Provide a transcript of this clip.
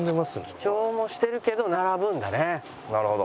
記帳もしてるけど並ぶんだね。